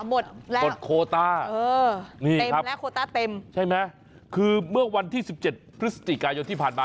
บดแล้วโคต้านี้ครับใช่ไหมคือเมื่อวันที่๑๗พระสติกายที่ผ่านมา